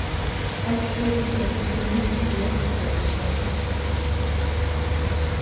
A txılh ğeş'eğonım zıgore khıtêguşı'eğağ.